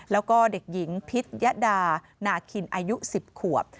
แล้วก็เด็กหญิงพิษยดานาคินอายุ๑๐ขวบ